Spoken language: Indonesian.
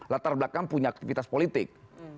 latar belakang punya aktivitas politik